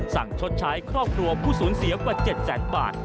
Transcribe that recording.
ชดใช้ครอบครัวผู้สูญเสียกว่า๗แสนบาท